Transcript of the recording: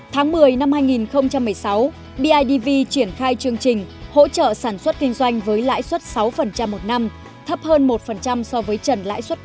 tháng một mươi năm hai nghìn một mươi sáu bidv triển khai chương trình hỗ trợ sản xuất kinh doanh với lãi xuất sáu